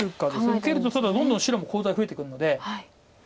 受けるとただどんどん白もコウ材増えてくるので。